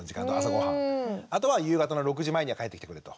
あとは夕方の６時前には帰ってきてくれと。